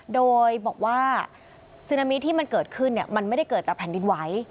โดยบอกว่าซึนามิที่มันเกิดขึ้นมันไม่ได้เกิดจากแผ่นดินไหว